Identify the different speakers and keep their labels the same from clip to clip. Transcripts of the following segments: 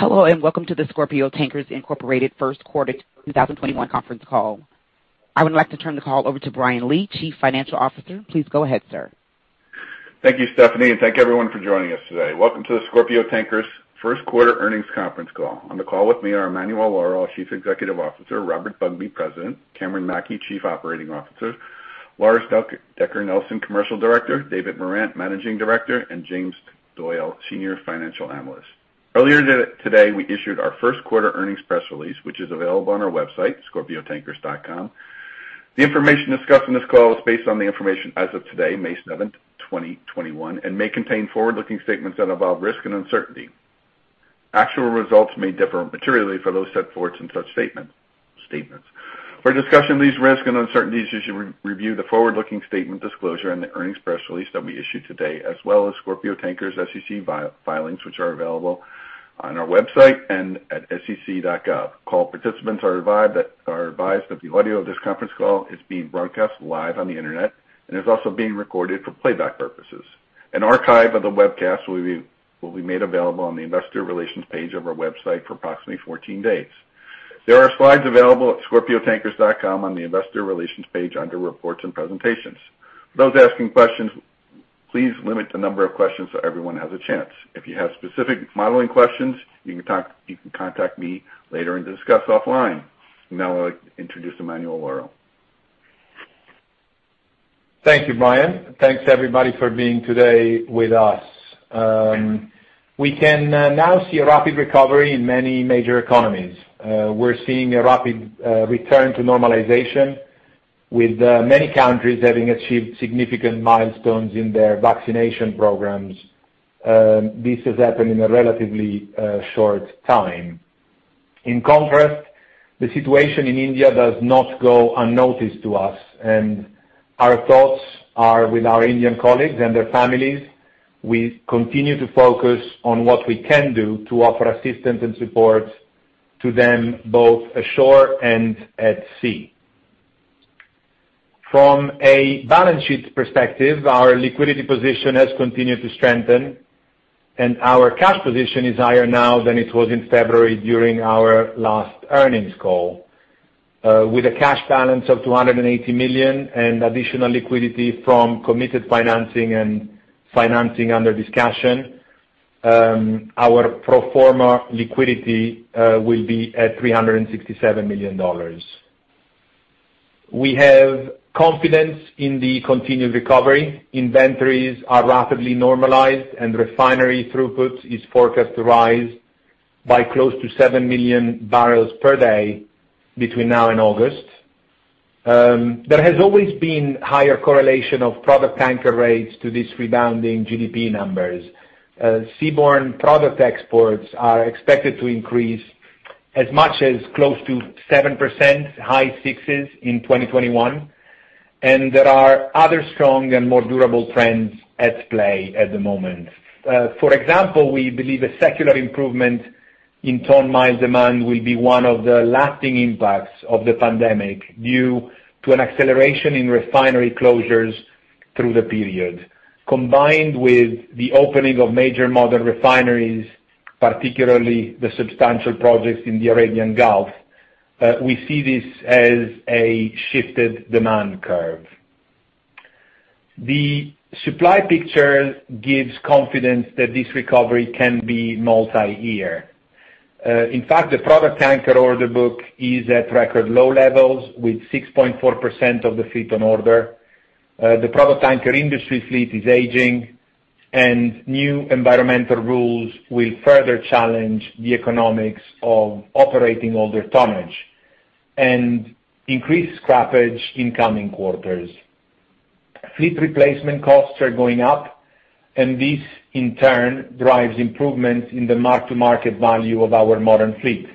Speaker 1: Hello, and welcome to Scorpio Tankers Inc. First Quarter 2021 Conference Call. I would like to turn the call over to Brian Lee, Chief Financial Officer. Please go ahead, sir.
Speaker 2: Thank you, Stephanie, and thank everyone for joining us today. Welcome to the Scorpio Tankers first quarter earnings conference call. On the call with me are Emanuele Lauro, Chief Executive Officer, Robert Bugbee, President, Cameron Mackey, Chief Operating Officer, Lars Dencker Nielsen, Commercial Director, David Morant, Managing Director, and James Doyle, Senior Financial Analyst. Earlier today, we issued our first quarter earnings press release, which is available on our website, scorpiotankers.com. The information discussed in this call is based on the information as of today, May 7th, 2021, and may contain forward-looking statements that involve risk and uncertainty. Actual results may differ materially from those set forth in such statements. For a discussion of these risks and uncertainties, you should review the forward-looking statement disclosure in the earnings press release that we issued today, as well as Scorpio Tankers SEC filings, which are available on our website and at sec.gov. Call participants are advised that the audio of this conference call is being broadcast live on the internet and is also being recorded for playback purposes. An archive of the webcast will be made available on the investor relations page of our website for approximately 14 days. There are slides available at scorpiotankers.com on the investor relations page under reports and presentations. For those asking questions, please limit the number of questions so everyone has a chance. If you have specific modeling questions, you can contact me later and discuss offline. I'd like to introduce Emanuele Lauro.
Speaker 3: Thank you, Brian. Thanks, everybody, for being here today with us. We can now see a rapid recovery in many major economies. We're seeing a rapid return to normalization, with many countries having achieved significant milestones in their vaccination programs. This has happened in a relatively short time. In contrast, the situation in India does not go unnoticed to us, and our thoughts are with our Indian colleagues and their families. We continue to focus on what we can do to offer assistance and support to them both ashore and at sea. From a balance sheet perspective, our liquidity position has continued to strengthen, and our cash position is higher now than it was in February during our last earnings call. With a cash balance of $280 million and additional liquidity from committed financing and financing under discussion, our pro forma liquidity will be at $367 million. We have confidence in the continued recovery. Inventories are rapidly normalized, and refinery throughput is forecast to rise by close to seven million barrels per day between now and August. There has always been a higher correlation of product tanker rates to these rebounding GDP numbers. Seaborne product exports are expected to increase as much as close to 7%, high 6%, in 2021, and there are other strong and more durable trends at play at the moment. For example, we believe a secular improvement in ton-miles demand will be one of the lasting impacts of the pandemic due to an acceleration in refinery closures through the period. Combined with the opening of major modern refineries, particularly the substantial projects in the Arabian Gulf, we see this as a shifted demand curve. The supply picture gives confidence that this recovery can be multi-year. In fact, the product tanker order book is at record low levels with 6.4% of the fleet on order. The product tanker industry fleet is aging, and new environmental rules will further challenge the economics of operating older tonnage and increase scrappage in coming quarters. Fleet replacement costs are going up, and this, in turn, drives improvements in the mark-to-market value of our modern fleet.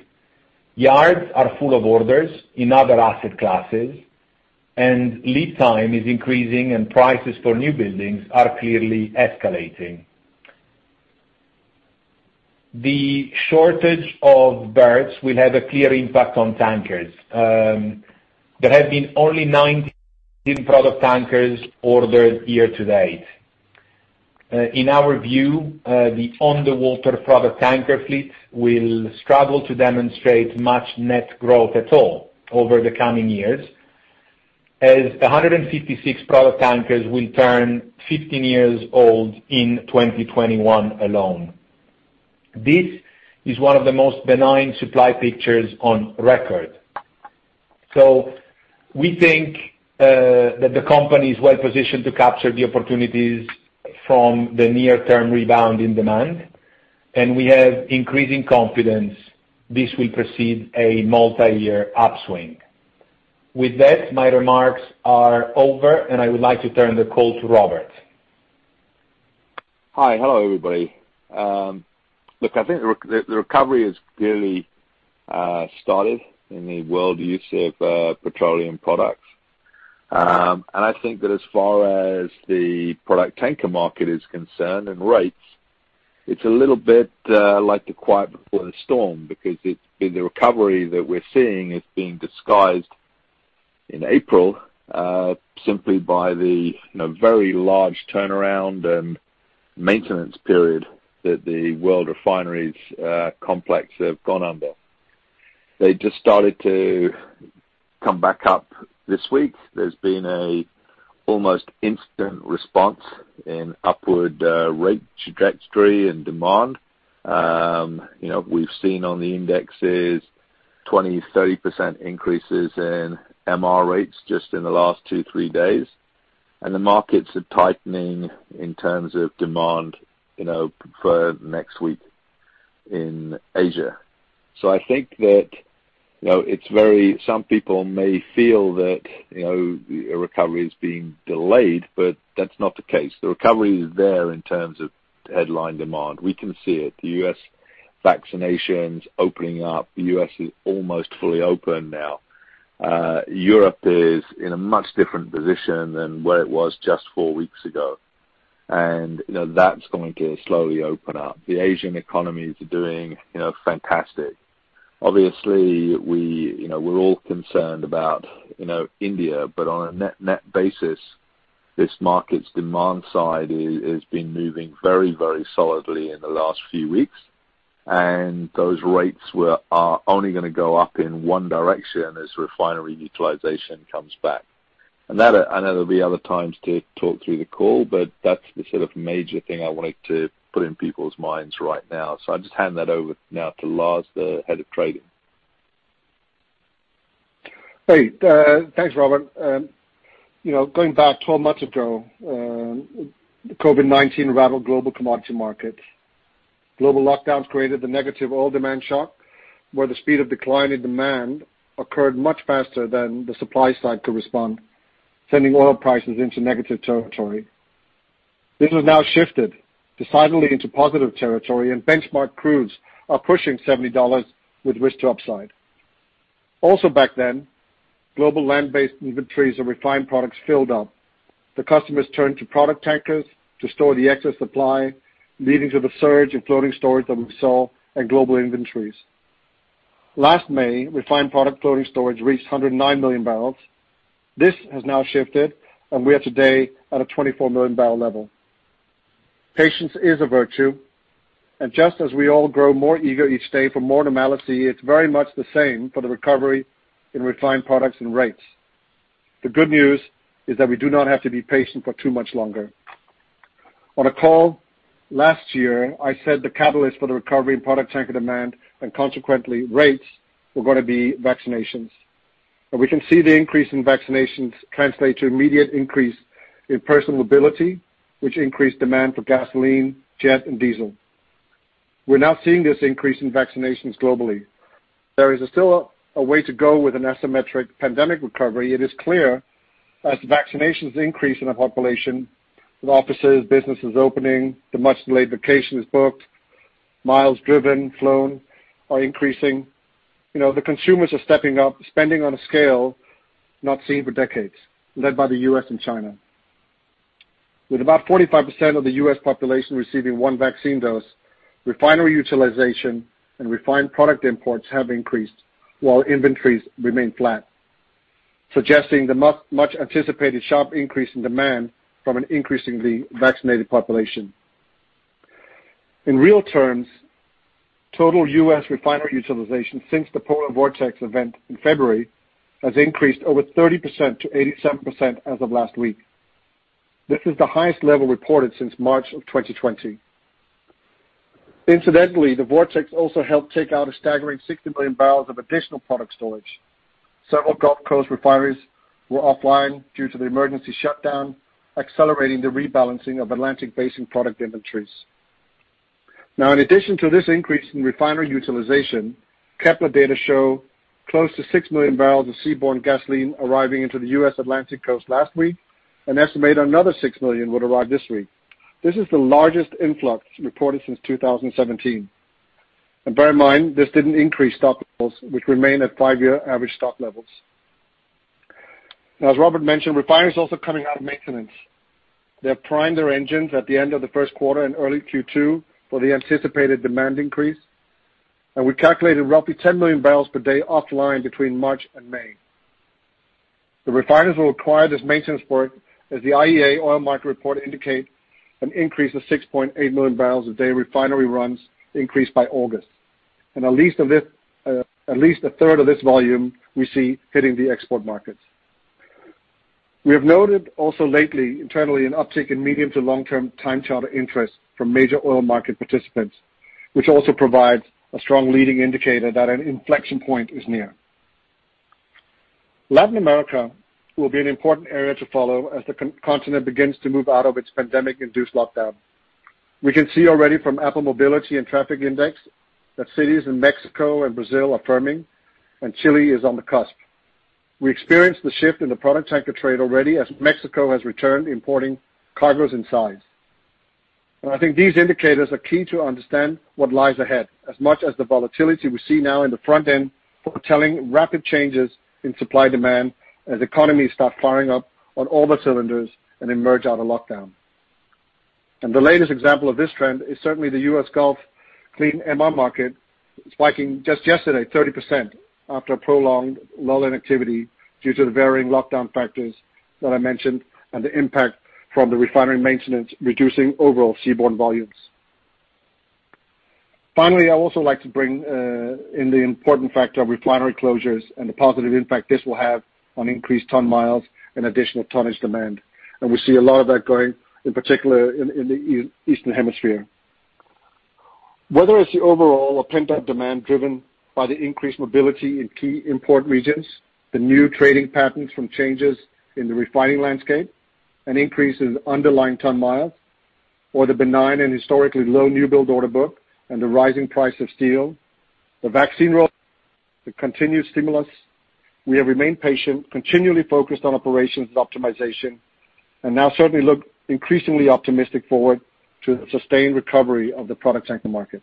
Speaker 3: Yards are full of orders in other asset classes, and lead time is increasing, and prices for new buildings are clearly escalating. The shortage of berths will have a clear impact on tankers. There have been only 19 product tankers ordered year-to-date. In our view, the on-the-water product tanker fleet will struggle to demonstrate much net growth at all over the coming years, as 156 product tankers will turn 15 years old in 2021 alone. This is one of the most benign supply pictures on record. We think that the company is well-positioned to capture the opportunities from the near-term rebound in demand, and we have increasing confidence this will proceed a multi-year upswing. With that, my remarks are over, and I would like to turn the call to Robert.
Speaker 4: Hi. Hello, everybody. I think the recovery has clearly started in the world's use of petroleum products. I think that as far as the product tanker market is concerned and rates, it's a little bit like the quiet before the storm because the recovery that we're seeing is being disguised in April, simply by the very large turnaround and maintenance period that the world refineries complex have gone under. They just started to come back up this week. There's been an almost instant response in upward rate trajectory and demand. We've seen on the indexes 20% and 30% increases in MR rates just in the last two or three days on the indexes. The markets are tightening in terms of demand for next week in Asia. I think that some people may feel that a recovery is being delayed, but that's not the case. The recovery is there in terms of headline demand. We can see it, the U.S. vaccinations opening up. The U.S. is almost fully open now. Europe is in a much different position than where it was just four weeks ago. That's going to slowly open up. The Asian economies are doing fantastic. Obviously, we're all concerned about India, but on a net basis, this market's demand side has been moving very solidly in the last few weeks, and those rates are only going to go up in one direction as refinery utilization comes back. I know there'll be other times to talk through the call, but that's the sort of major thing I wanted to put in people's minds right now. I'll just hand that over now to Lars, the head of trading.
Speaker 5: Great. Thanks, Robert. Going back 12 months ago, COVID-19 rattled global commodity markets. Global lockdowns created the negative oil demand shock, where the speed of decline in demand occurred much faster than the supply side could respond, sending oil prices into negative territory. This has now shifted decidedly into positive territory. Benchmark crudes are pushing $70 with risk to upside. Also back then, global land-based inventories of refined products filled up. The customers turned to product tankers to store the excess supply, leading to the surge in floating storage that we saw and global inventories. Last May, refined product floating storage reached 109 million barrels. This has now shifted. We are today at a 24-million-barrel level. Patience is a virtue. Just as we all grow more eager each day for more normality, it's very much the same for the recovery in refined products and rates. The good news is that we do not have to be patient for too much longer. On a call last year, I said the catalyst for the recovery in product tanker demand, and consequently rates, were going to be vaccinations. We can see the increase in vaccinations translate to an immediate increase in personal mobility, which increased demand for gasoline, jet fuel, and diesel. We're now seeing this increase in vaccinations globally. There is still a way to go with an asymmetric pandemic recovery. It is clear that as vaccinations increase in a population, with offices and businesses opening, the much-delayed vacation is booked, and miles driven and flown are increasing. The consumers are stepping up spending on a scale not seen for decades, led by the U.S. and China. With about 45% of the U.S. population receiving one vaccine dose, refinery utilization and refined product imports have increased while inventories remain flat, suggesting the much-anticipated sharp increase in demand from an increasingly vaccinated population. In real terms, total U.S. refinery utilization since the polar vortex event in February has increased over 30%-87% as of last week. This is the highest level reported since March of 2020. Incidentally, the vortex also helped take out a staggering 60 million barrels of additional product storage. Several Gulf Coast refineries were offline due to the emergency shutdown, accelerating the rebalancing of Atlantic Basin product inventories. Now, in addition to this increase in refinery utilization, Kpler data show close to six million barrels of seaborne gasoline arrived on the U.S. Atlantic Coast last week, with an estimate that another six million would arrive this week. This is the largest influx reported since 2017. Bear in mind, this didn't increase stock levels, which remain at five-year average stock levels. Now, as Robert mentioned, refineries are also coming out of maintenance. They're priming their engines at the end of the first quarter and early Q2 for the anticipated demand increase. We calculated roughly 10 million barrels per day offline between March and May. The refineries will require this maintenance work as the IEA oil market report indicates an increase of 6.8 million barrels a day; refinery runs increased by August. At least a third of this volume we see hitting the export markets. We have also noted lately, internally, an uptick in medium- to long-term time charter interest from major oil market participants, which also provides a strong leading indicator that an inflection point is near. Latin America will be an important area to follow as the continent begins to move out of its pandemic-induced lockdown. We can see already from Apple Mobility Trends that cities in Mexico and Brazil are firming, and Chile is on the cusp. We experienced the shift in the product tanker trade already, as Mexico has returned to importing cargos in size. I think these indicators are key to understanding what lies ahead as much as the volatility we see now in the front end, foretelling rapid changes in supply and demand as economies start firing up on all cylinders and emerge out of lockdown. The latest example of this trend is certainly the U.S. Gulf clean MR market spiking just yesterday, 30%, after a prolonged lull in activity due to the varying lockdown factors that I mentioned and the impact from the refinery maintenance, reducing overall seaborne volumes. Finally, I would also like to bring in the important factor of refinery closures and the positive impact this will have on increased ton-miles and additional tonnage demand. We see a lot of that going on, in particular in the Eastern Hemisphere. Whether it's the overall or pent-up demand driven by the increased mobility in key import regions, the new trading patterns from changes in the refining landscape, an increase in underlying ton-miles, or the benign and historically low newbuild order book and the rising price of steel, the vaccine roll, and the continued stimulus, we have remained patient, continually focused on operations optimization, and now certainly look increasingly optimistic forward to the sustained recovery of the product tanker market.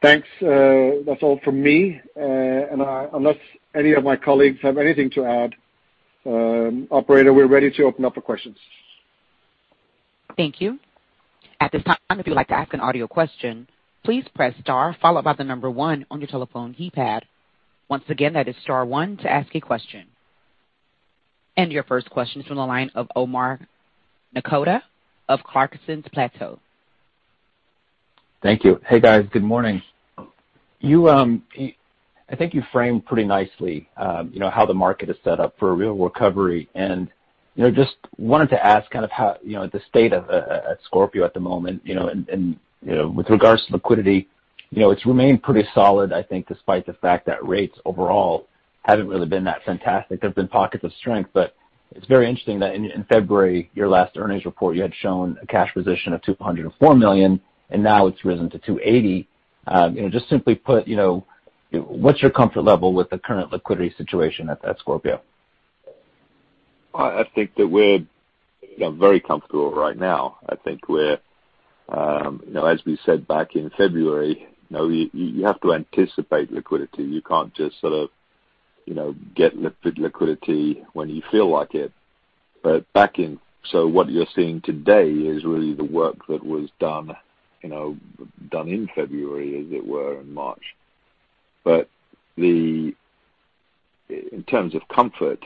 Speaker 5: Thanks. That's all from me. Unless any of my colleagues have anything to add, operator, we're ready to open up for questions.
Speaker 1: Thank you. At this time, if you'd like to ask an audio question, please press star followed by the number one on your telephone keypad. Once again, that is star one to ask a question. Your first question is from the line of Omar Nokta of Clarksons Securities.
Speaker 6: Thank you. Hey, guys. Good morning. I think you framed pretty nicely how the market is set up for a real recovery. Just wanted to ask about the state of Scorpio at the moment, and with regards to liquidity, it's remained pretty solid, I think, despite the fact that rates overall haven't really been that fantastic. There have been pockets of strength, but it's very interesting that in February, your last earnings report, you had shown a cash position of $204 million, and now it's risen to $280. Just simply put, what's your comfort level with the current liquidity situation at Scorpio?
Speaker 4: I think that we're very comfortable right now. I think we're, as we said back in February, you have to anticipate liquidity. You can't just sort of get liquidity when you feel like it. What you're seeing today is really the work that was done in February, as it were, in March. In terms of comfort,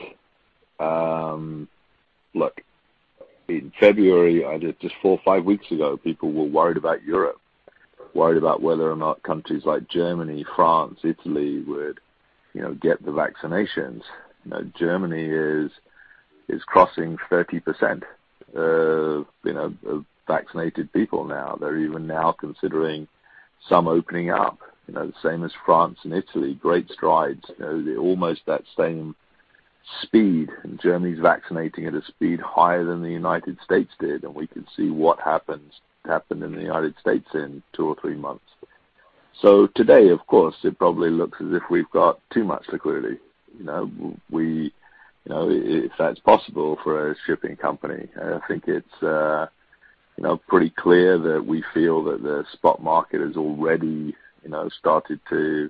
Speaker 4: look, in February, just four or five weeks ago, people were worried about Europe, worried about whether or not countries like Germany, France, and Italy would get the vaccinations. Now Germany is crossing 30% of vaccinated people now. They're even now considering some opening up, the same as France and Italy. Great strides. They're almost that same speed, and Germany is vaccinating at a speed higher than the United States did, and we could see what happened in the United States in two or three months. Today, of course, it probably looks as if we've got too much liquidity, if that's possible for a shipping company. I think it's pretty clear that we feel that the spot market has already started to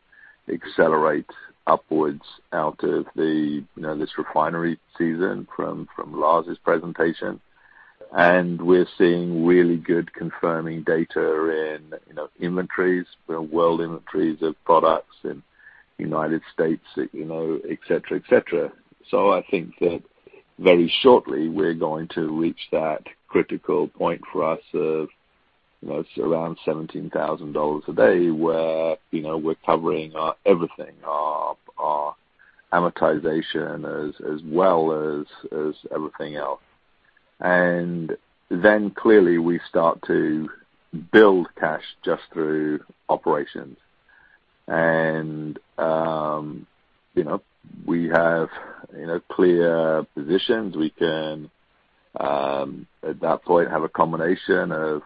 Speaker 4: accelerate upwards out of this refinery season from Lars' presentation. We're seeing really good confirming data in inventories, world inventories of products in the United States, etc. I think that very shortly, we're going to reach that critical point for us of around $17,000 a day where we're covering everything, our amortization, as well as everything else. Then clearly we start to build cash just through operations. We have clear positions. We can, at that point, have a combination of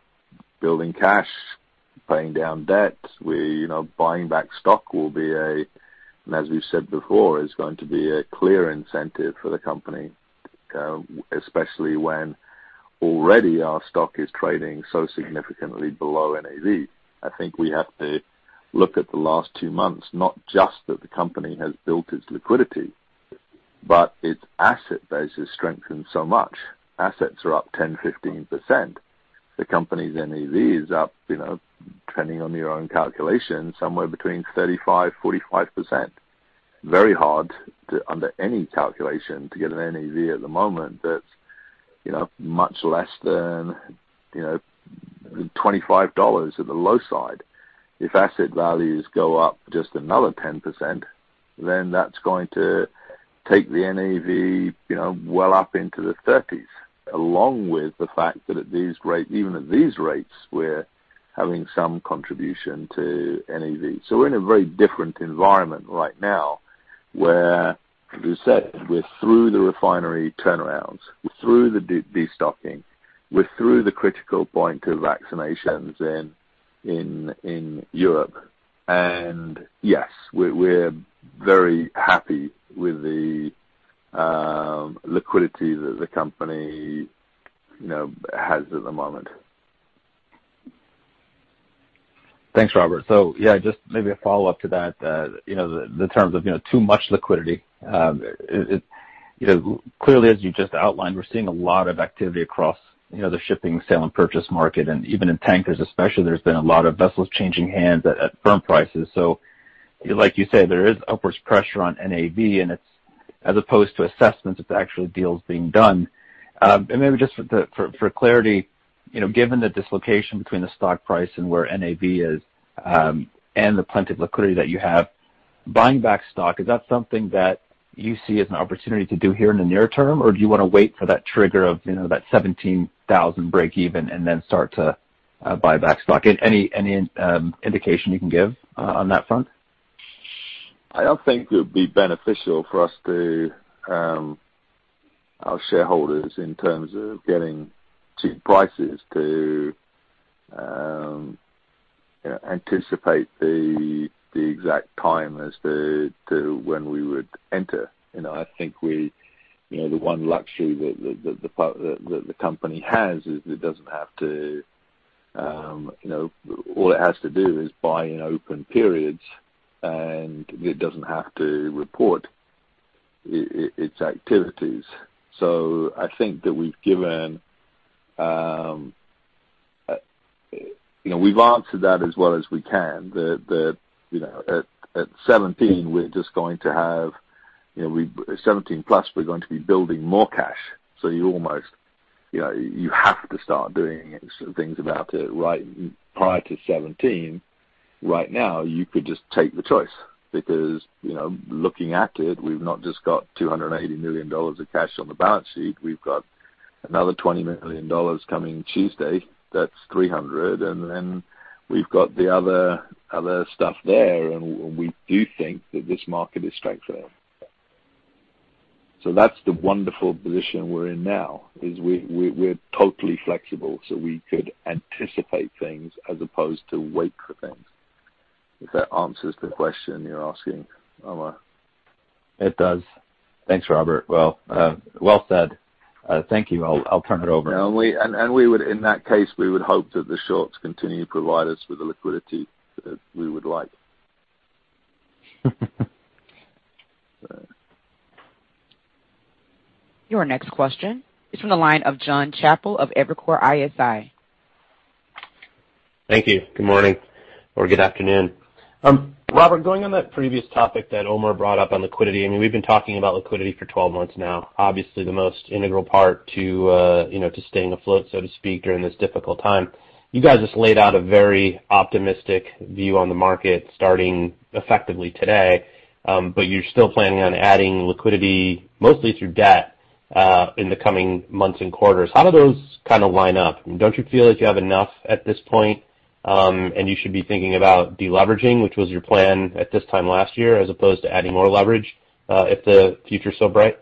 Speaker 4: building cash and paying down debt. Buying back stock, as we've said before, is going to be a clear incentive for the company, especially when already our stock is trading so significantly below NAV. I think we have to look at the last two months, not just that the company has built its liquidity, but that its asset base has strengthened so much. Assets are up 10% to 15%. The company's NAV is up, depending on your own calculation, somewhere between 35% and 45%. Very hard to, under any calculation, get an NAV at the moment that's much less than $25 on the low side. If asset values go up just another 10%, that's going to take the NAV well up into the thirties, along with the fact that even at these rates, we're having some contribution to NAV. We're in a very different environment right now, where, as you said, we're through the refinery turnarounds, we're through the de-stocking, and we're through the critical point of vaccinations in Europe. Yes, we're very happy with the liquidity that the company has at the moment.
Speaker 6: Thanks, Robert. Yeah, just maybe a follow-up to that. The terms of too much liquidity. Clearly, as you just outlined, we're seeing a lot of activity across the shipping sale and purchase market. Even in tankers, especially, there's been a lot of vessels changing hands at firm prices. Like you say, there is upward pressure on NAV, and as opposed to assessments, it's actually deals being done. Maybe just for clarity, given the dislocation between the stock price and where NAV is, and the plenty of liquidity that you have, buying back stock, is that something that you see as an opportunity to do here in the near term? Or do you want to wait for that trigger of that $17,000 breakeven and then start to buy back stock? Any indication you can give on that front?
Speaker 4: I don't think it would be beneficial for us to get cheap prices to anticipate the exact time as to when we would enter. I think the one luxury that the company has is that all it has to do is buy in open periods, and it doesn't have to report its activities. I think that we've answered that as well as we can, that at +17, we're going to be building more cash. You have to start doing things about it right prior to 17. Right now, you could just take the choice because, looking at it, we've not just got $280 million of cash on the balance sheet. We've got another $20 million coming Tuesday. That's $300 million. Then we've got the other stuff there. We do think that this market is strong there. That's the wonderful position we're in now, is we're totally flexible, so we could anticipate things as opposed to waiting for things. If that answers the question you're asking, Omar.
Speaker 6: It does. Thanks, Robert. Well said. Thank you. I'll turn it over.
Speaker 4: In that case, we would hope that the shorts continue to provide us with the liquidity that we would like.
Speaker 1: Your next question is from the line of Jon Chappell of Evercore ISI.
Speaker 7: Thank you. Good morning or good afternoon. Robert, going on that previous topic that Omar brought up on liquidity. We've been talking about liquidity for 12 months now, obviously the most integral part to staying afloat, so to speak, during this difficult time. You guys just laid out a very optimistic view on the market starting effectively today. You're still planning on adding liquidity mostly through debt in the coming months and quarters. How do those kind of line up? Don't you feel like you have enough at this point? You should be thinking about deleveraging, which was your plan at this time last year, as opposed to adding more leverage, if the future is so bright.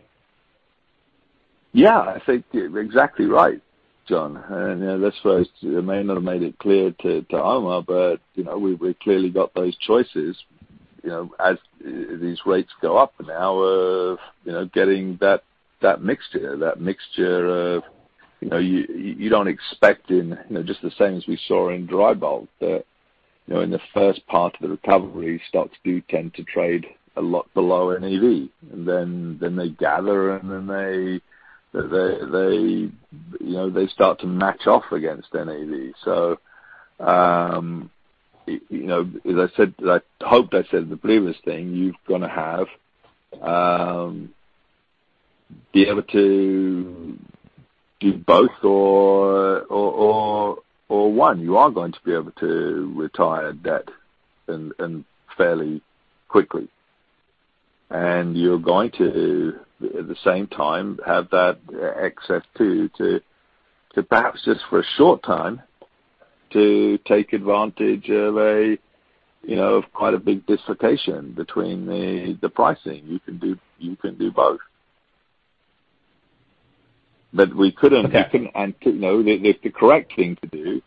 Speaker 4: Yeah, I think you're exactly right, Jon. I suppose I may not have made it clear to Omar, but we've clearly got those choices as these rates go up now of getting that mixture. You don't expect, in just the same way as we saw in dry bulk, that in the first part of the recovery, stocks do tend to trade a lot below NAV. They gather, and then they start to match off against NAV. As I said, I hope I said the previous thing, you're going to be able to do both or one. You are going to be able to retire debt fairly quickly. You're going to, at the same time, have that excess too, perhaps just for a short time, to take advantage of quite a big disparity between the pricing. You can do both.
Speaker 7: Okay
Speaker 4: The correct thing to do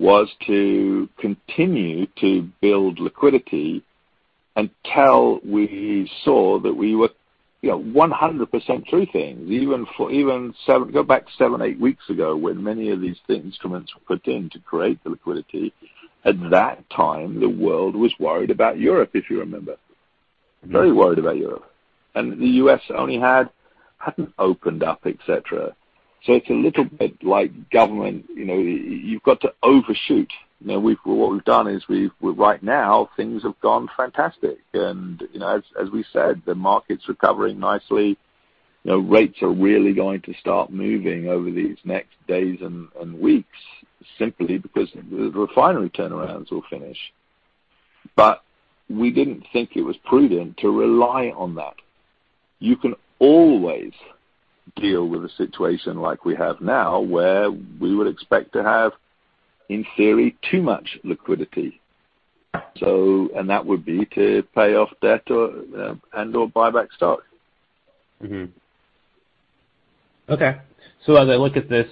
Speaker 4: was to continue to build liquidity until we saw that we were 100% through things. Go back seven or eight weeks ago when many of these instruments were put in to create the liquidity. At that time, the world was worried about Europe, if you remember. Very worried about Europe. The U.S. hadn't opened up, et cetera. It's a little bit like government. You've got to overshoot. What we've done is right now things have gone fantastic. As we said, the market's recovering nicely. Rates are really going to start moving over these next days and weeks simply because the refinery turnarounds will finish. We didn't think it was prudent to rely on that. You can always deal with a situation like we have now, where we would expect to have, in theory, too much liquidity. That would be to pay off debt and/or buy back stock.
Speaker 7: Okay. As I look at this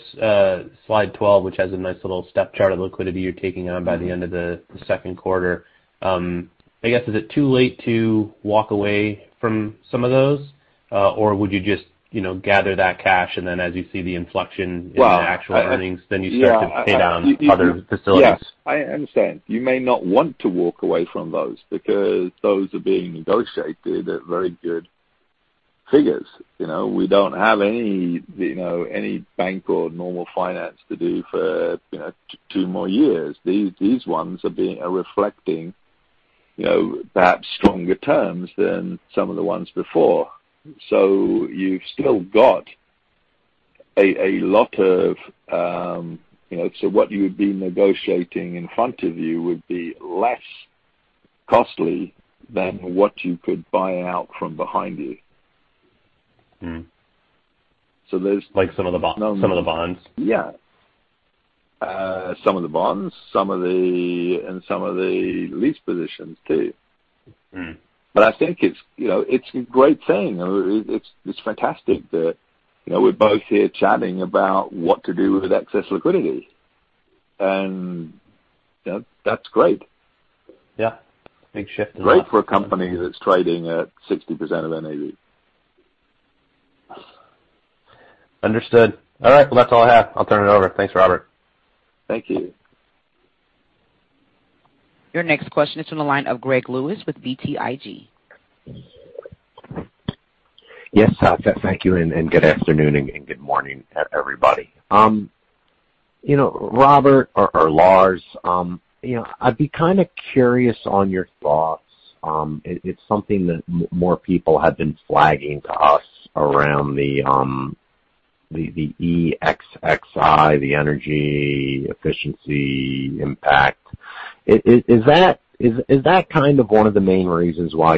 Speaker 7: slide 12, which has a nice little step chart of liquidity you're taking on by the end of the second quarter. I guess, is it too late to walk away from some of those? Would you just gather that cash, and then as you see the inflection in the actual earnings, then you start to pay down other facilities?
Speaker 4: Yes, I understand. You may not want to walk away from those, because those are being negotiated at very good figures. We don't have any bank or normal finance to do for two more years. These ones are reflecting perhaps stronger terms than some of the ones before. What you would be negotiating in front of you would be less costly than what you could buy out from behind you. So there's—
Speaker 7: Like some of the bonds?
Speaker 4: Yeah. Some of the bonds and some of the lease positions, too. I think it's a great thing. It's fantastic that we're both here chatting about what to do with excess liquidity. That's great.
Speaker 7: Yeah. Big shift in that.
Speaker 4: Great for a company that's trading at 60% of NAV.
Speaker 7: Understood. All right. That's all I have. I'll turn it over. Thanks, Robert.
Speaker 4: Thank you.
Speaker 1: Your next question is from the line of Greg Lewis with BTIG.
Speaker 8: Yes. Thank you. Good afternoon and good morning, everybody. Robert or Lars, I'd be curious on your thoughts. It's something that more people have been flagging to us around the EEXI, the energy efficiency impact. Is that one of the main reasons why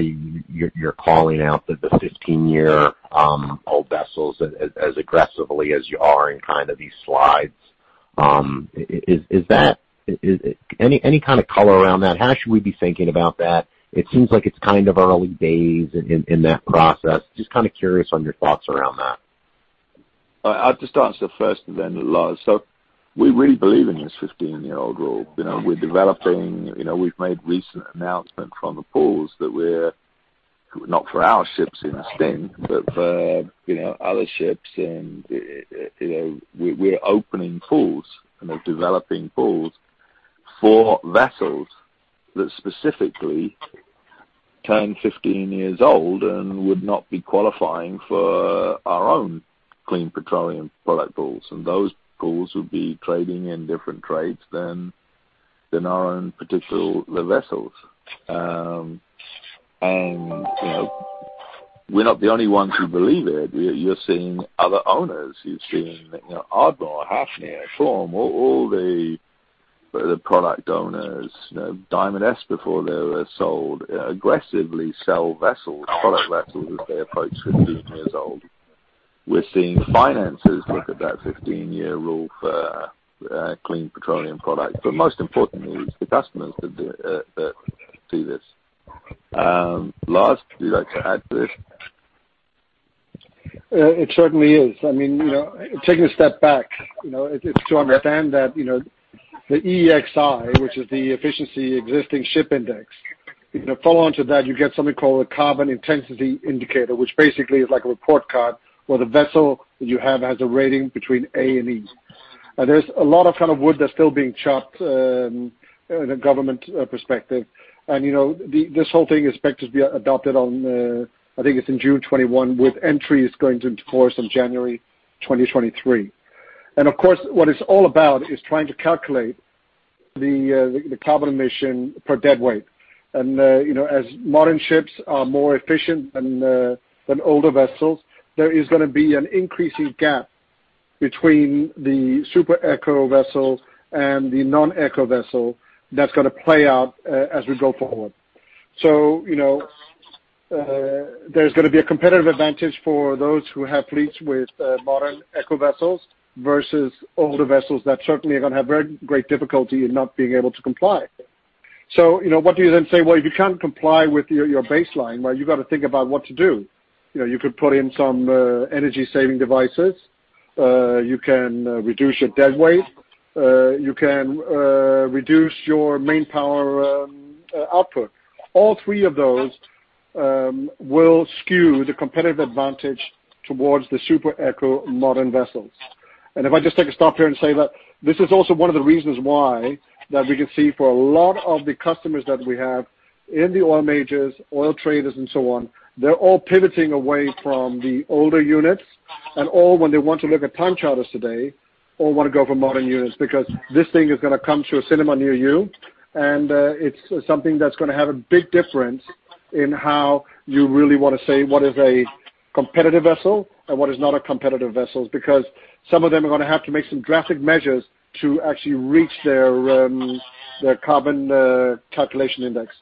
Speaker 8: you're calling out the 15-year-old vessels as aggressively as you are in these slides? Any kind of color around that? How should we be thinking about that? It seems like it's early days in that process. Just curious on your thoughts around that.
Speaker 4: I'll just answer first. Lars. We really believe in this 15-year-old rule. We've made a recent announcement from the pools that we're not for our ships in a fleet but for other ships, and we're opening pools, kind of developing pools for vessels that specifically turn 15 years old and would not be qualifying for our own clean petroleum product pools. Those pools would be trading in different trades than our own particular vessels. We're not the only ones who believe it. You're seeing other owners. You're seeing Ardmore Shipping, Hafnia, Torm, and all the product owners, Diamond S Shipping, before they were sold, aggressively selling vessels, product vessels, as they approach 15 years old. We're seeing financers look at that 15-year rule for clean petroleum products. Most importantly, it's the customers that do this. Lars, would you like to add to this?
Speaker 5: It certainly is. Taking a step back, to understand that the EEXI, which is the Energy Efficiency Existing Ship Index, follow onto that, you get something called a Carbon Intensity Indicator, which basically is like a report card where the vessel that you have has a rating between A and E. There's a lot of wood that's still being chopped from a government perspective. This whole thing is expected to be adopted on, I think it's in June 2021, with entries going to take force on January 2023. Of course, what it's all about is trying to calculate the carbon emission per deadweight. As modern ships are more efficient than older vessels, there is going to be an increasing gap between the super eco vessel and the non-eco vessel that's going to play out as we go forward. There's going to be a competitive advantage for those who have fleets with modern eco vessels versus older vessels that certainly are going to have very great difficulty in not being able to comply. What do you then say? If you can't comply with your baseline, you've got to think about what to do. You could put in some energy-saving devices. You can reduce your deadweight. You can reduce your main power output. All three of those will skew the competitive advantage towards the super eco-modern vessels. If I just take a stop here and say that this is also one of the reasons why we can see that for a lot of the customers that we have in the oil majors, oil traders, and so on, they're all pivoting away from the older units, and all when they want to look at time charterers today, all want to go for modern units because this thing is going to come to a cinema near you, and it's something that's going to have a big difference in how you really want to say what is a competitive vessel and what is not a competitive vessel because some of them are going to have to make some drastic measures to actually reach their carbon calculation index.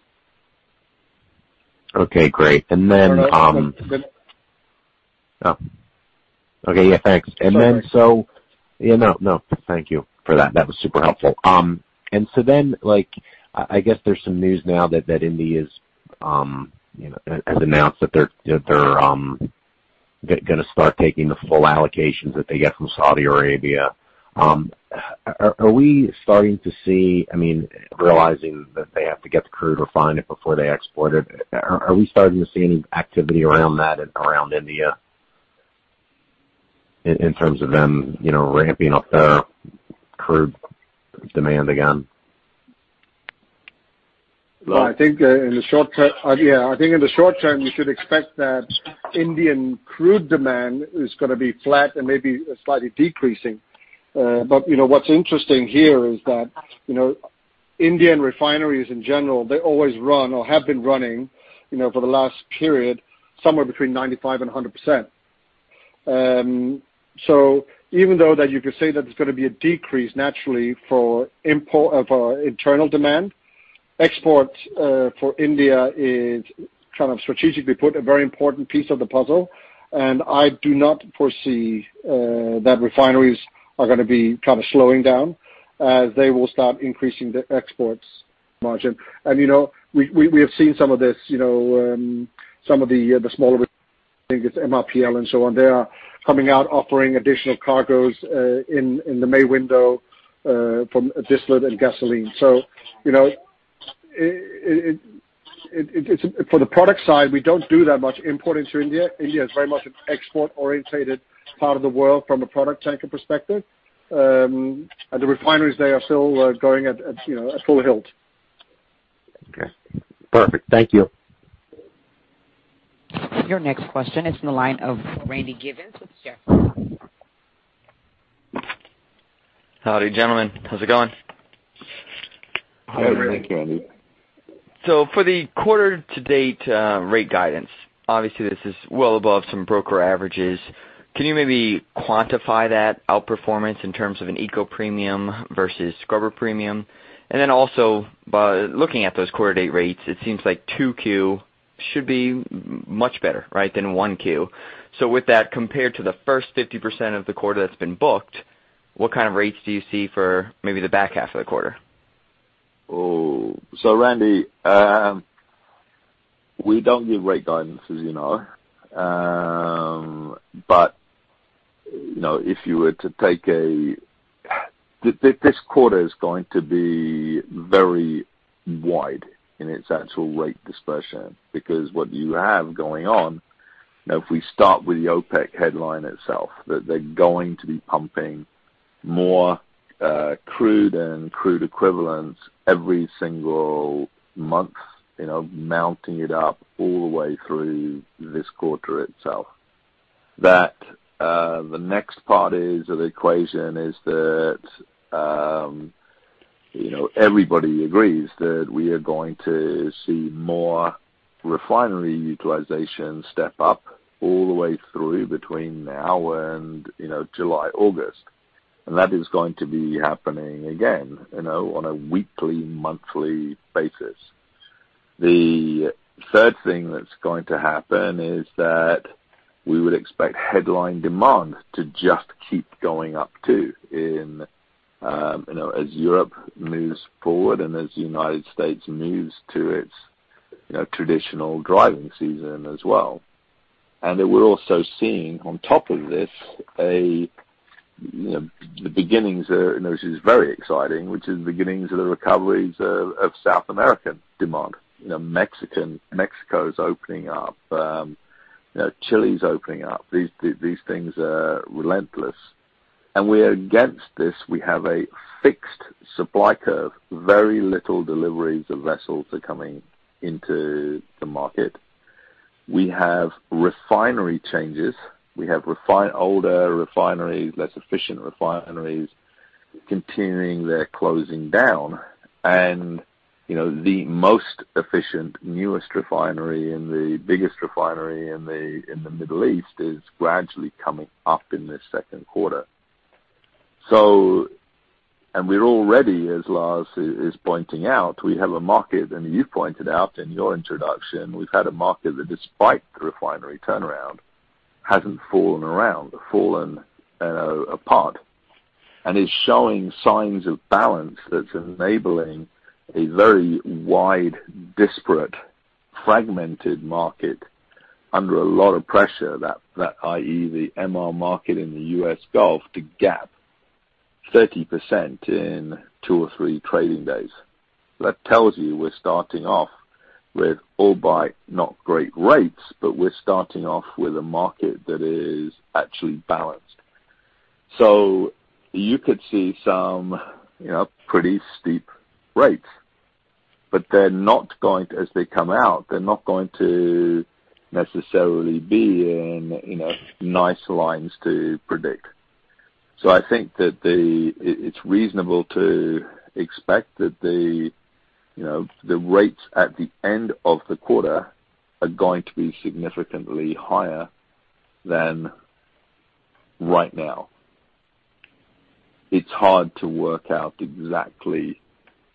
Speaker 8: Okay, great.
Speaker 4: [inaudible]
Speaker 8: Oh. Okay, yeah, thanks.
Speaker 4: Sorry.
Speaker 8: No, thank you for that. That was super helpful. I guess there's some news now that India has announced that they're going to start taking the full allocations that they get from Saudi Arabia. Are we starting to see, realizing that they have to get the crude refined before they export it, are we starting to see any activity around that around India, in terms of them ramping up their crude demand again?
Speaker 5: I think in the short term, you should expect that Indian crude demand is going to be flat and maybe slightly decreasing. What's interesting here is that Indian refineries in general have always run, or have been running, for the last period, somewhere between 95% and 100%. Even though you could say that there's going to be a decrease naturally for internal demand, exports for India are kind of strategically put as a very important piece of the puzzle, and I do not foresee that refineries are going to be slowing down as they will start increasing the exports margin. We have seen some of this. Some of the smaller ones, I think it's MRPL and so on. They are coming out offering additional cargoes in the May window, from distillate and gasoline. For the product side, we don't do that much importing into India. India is very much an export-oriented part of the world from a product tanker perspective. The refineries are still going at full tilt.
Speaker 8: Okay. Perfect. Thank you.
Speaker 1: Your next question is in the line of Randy Giveans with Jefferies.
Speaker 9: How are you doing? How's it going?
Speaker 4: Hi, Randy.
Speaker 9: For the quarter-to-date rate guidance, obviously this is well above some broker averages. Can you maybe quantify that outperformance in terms of an eco premium versus scrubber premium? Then also, by looking at those quarter-to-date rates, it seems like 2Q should be much better, right, than 1Q. With that, compared to the first 50% of the quarter that's been booked, what kind of rates do you see for maybe the back half of the quarter?
Speaker 4: Randy, we don't give rate guidance, as you know. This quarter is going to be very wide in its actual rate dispersion because of what you have going on, if we start with the OPEC headline itself, they're going to be pumping more crude and crude equivalents every single month, mounting it up all the way through this quarter itself. The next part of the equation is that everybody agrees that we are going to see more refinery utilization step up all the way through between now and July and August. That is going to be happening again, on a weekly, monthly basis. The third thing that's going to happen is that we would expect headline demand to just keep going up, too, as Europe moves forward and as the United States moves to its traditional driving season as well. We're also seeing, on top of this, the beginnings this is very exciting, which are the beginnings of the recoveries of South American demand. Mexico is opening up. Chile is opening up. These things are relentless. We are against this. We have a fixed supply curve. Very few deliveries of vessels are coming into the market. We have refinery changes. We have older, less efficient refineries continuing their closing down. The most efficient, newest, and biggest refinery in the Middle East is gradually coming up in this second quarter. We're already, as Lars is pointing out, we have a market, and you pointed out in your introduction, we've had a market that, despite the refinery turnaround, hasn't fallen apart and is showing signs of balance that's enabling a very wide, disparate, fragmented market under a lot of pressure, i.e., the MR market in the U.S. Gulf to gap 30% in two or three trading days. That tells you we're starting off with, albeit not great rates, but we're starting off with a market that is actually balanced. You could see some pretty steep rates. As they come out, they're not going to necessarily be in nice lines to predict. I think that it's reasonable to expect that the rates at the end of the quarter are going to be significantly higher than right now. It's hard to work out exactly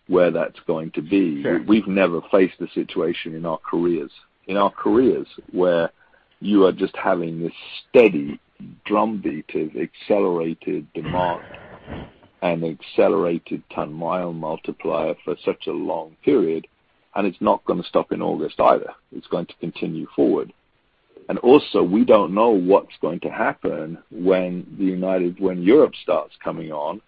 Speaker 4: where that's going to be.
Speaker 9: Sure.
Speaker 4: We've never faced a situation in our careers where you are just having this steady drumbeat of accelerated demand and accelerated ton-mile multiplier for such a long period, and it's not going to stop in August either. It's going to continue forward. Also, we don't know what's going to happen when Europe starts coming on.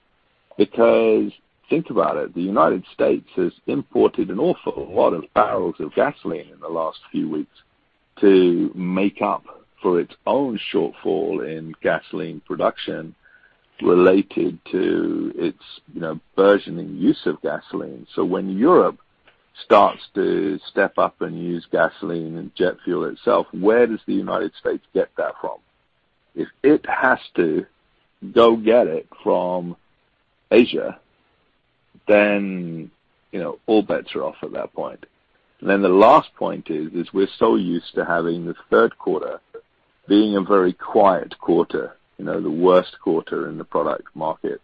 Speaker 4: Think about it: the United States has imported an awful lot of barrels of gasoline in the last few weeks to make up for its own shortfall in gasoline production related to its burgeoning use of gasoline. When Europe starts to step up and use gasoline and jet fuel itself, where does the United States get that from? If it has to go get it from Asia, all bets are off at that point. The last point is, we're so used to having the third quarter being a very quiet quarter, the worst quarter in the product market.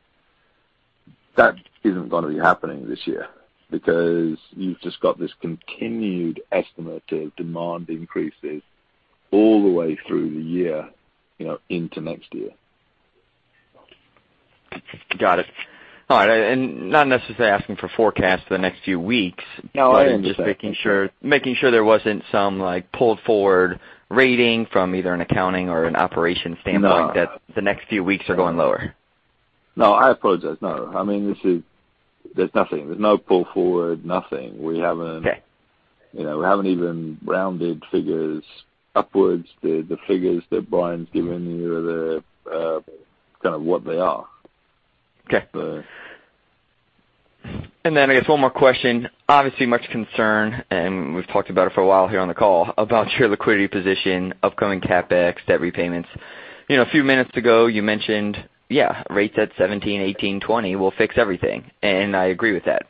Speaker 4: That isn't going to be happening this year because you've just got this continued estimate of demand increases all the way through the year into next year.
Speaker 9: Got it. All right. Not necessarily asking for a forecast for the next few weeks.
Speaker 4: No, I understand.
Speaker 9: I'm just making sure there wasn't some pulled-forward reporting from either an accounting or an operations standpoint—
Speaker 4: No
Speaker 9: ...that the next few weeks are going lower.
Speaker 4: No, I apologize. No. There's nothing. There's no pull forward, nothing.
Speaker 9: Okay.
Speaker 4: We haven't even rounded figures upwards. The figures that Brian's given you are what they are.
Speaker 9: Okay. I guess one more question. Obviously, there is much concern, and we've talked about it for a while here on the call about your liquidity position, upcoming CapEx, and debt repayments. A few minutes ago, you mentioned rates at 17, 18, and 20 will fix everything. I agree with that.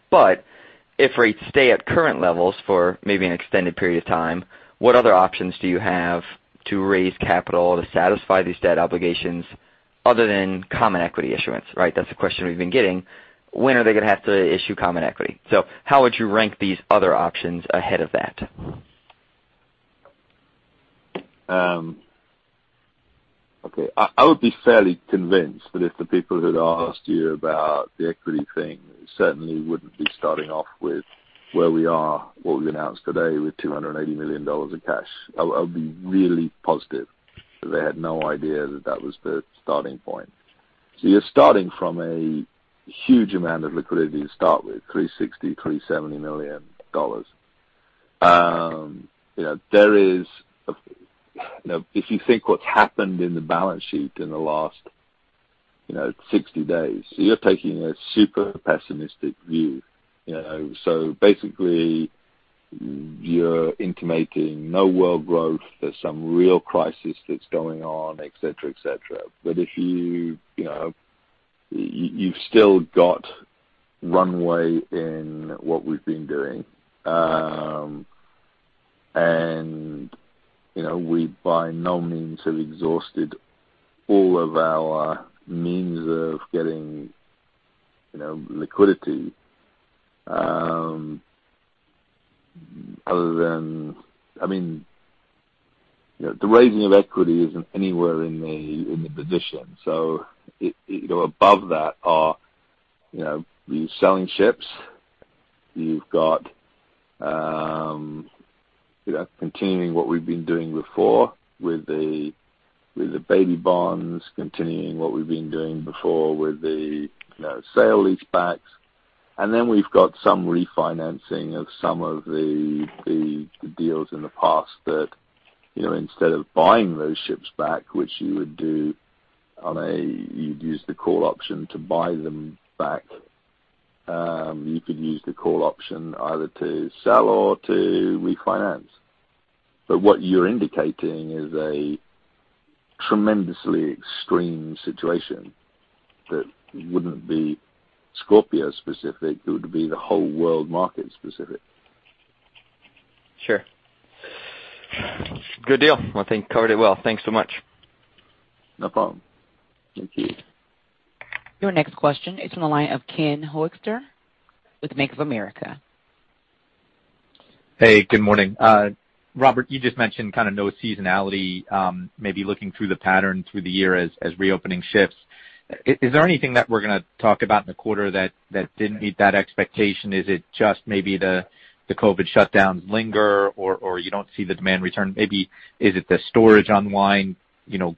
Speaker 9: If rates stay at current levels for maybe an extended period of time, what other options do you have to raise capital to satisfy these debt obligations other than common equity issuance, right? That's the question we've been getting. When are they going to have to issue common equity? How would you rank these other options ahead of that?
Speaker 4: Okay. I would be fairly convinced that if the people who'd asked you about the equity thing certainly wouldn't be starting off with where we are, with what we announced today with $280 million in cash. I would be really positive that they had no idea that that was the starting point. You're starting from a huge amount of liquidity to start with: $360 million, $370 million. If you think about what's happened in the balance sheet in the last 60 days, you're taking a super pessimistic view. Basically, you're intimating no world growth, there's some real crisis that's going on, et cetera. You've still got runway in what we've been doing. We by no means have exhausted all of our means of getting liquidity. The raising of equity isn't anywhere in the position. Above that, are you selling ships? You've got continuing what we've been doing before with the baby bonds, continuing what we've been doing before with the sale leasebacks. We've got some refinancing of some of the deals in the past that instead of buying those ships back, which you would do. You'd use the call option to buy them back. You could use the call option either to sell or to refinance. What you're indicating is a tremendously extreme situation that wouldn't be Scorpio-specific. It would be the whole world market, specifically.
Speaker 9: Sure. Good deal. Well, I think you covered it well. Thanks so much.
Speaker 4: No problem. Thank you.
Speaker 1: Your next question is on the line of Ken Hoexter with Bank of America.
Speaker 10: Hey, good morning. Robert, you just mentioned no seasonality, maybe looking through the pattern through the year as reopening shifts. Is there anything that we are going to talk about in the quarter that didn't meet that expectation? Is it just maybe the COVID shutdowns linger, or you don't see the demand return? Maybe it is the storage unwind